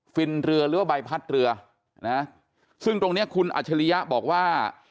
ฟินเรือหรือว่าใบพัดเรือนะซึ่งตรงเนี้ยคุณอัจฉริยะบอกว่า